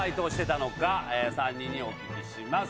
３人にお聞きします。